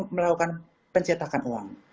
melakukan pencetakan uang